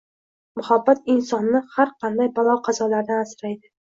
Muhabbat insonni har qanday balo-qazolardan asraydi